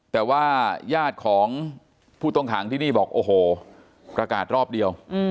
แต่ว่าญาติของผู้ต้องขังที่นี่บอกโอ้โหประกาศรอบเดียว